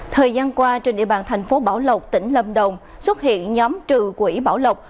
thời gian qua trên địa bàn tp bảo lộc tỉnh lâm đồng xuất hiện nhóm trừ quỹ bảo lộc